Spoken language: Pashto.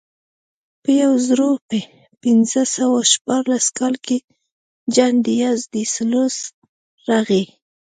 په یو زرو پینځه سوه شپاړس کال کې جان دیاز ډي سلوس راغی.